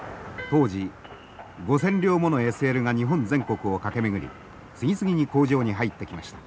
当時５，０００両ものＳＬが日本全国を駆け巡り次々に工場に入ってきました。